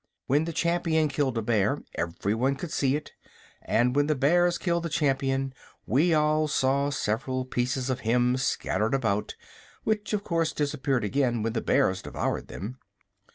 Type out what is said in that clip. When the Champion killed a bear everyone could see it; and when the bears killed the Champion we all saw several pieces of him scattered about, which of course disappeared again when the bears devoured them."